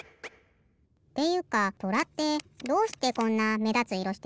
っていうかとらってどうしてこんなめだついろしてんの？